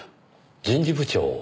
人事部長を。